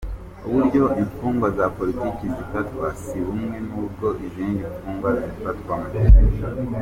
“Uburyo imfungwa za politiki zifatwa si bumwe n’ubwo izindi mfungwa zifatwamo.